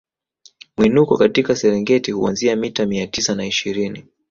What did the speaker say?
Mwinuko katika Serengeti huanzia mita mia tisa na ishirini